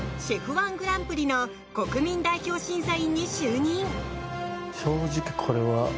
−１グランプリの国民代表審査員に就任。